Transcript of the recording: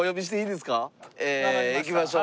ええいきましょう。